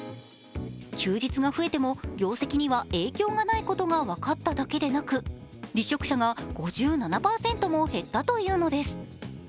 休日が増えても業績には影響がないことが分かっただけでなく離職者が５７％も減ったというのです。